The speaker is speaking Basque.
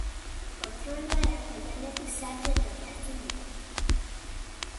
Kontrol-barrak goialdetik sartu eta ateratzen dira.